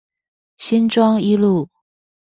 新莊一路